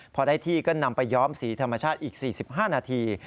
พอได้ที่ก็นำไปย้อมสีธรรมชาติอีก๔๕นาที